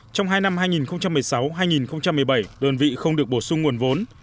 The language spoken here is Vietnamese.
trong hai năm hai nghìn một mươi sáu hai nghìn một mươi bảy đơn vị không được bổ sung nguồn vốn